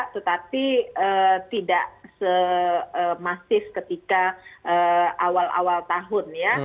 tetapi tidak semasif ketika awal awal tahun ya